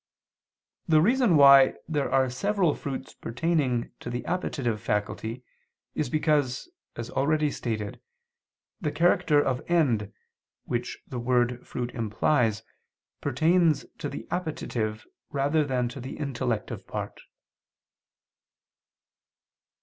The reason why there are several fruits pertaining to the appetitive faculty, is because, as already stated, the character of end, which the word fruit implies, pertains to the appetitive rather than to the intellective part.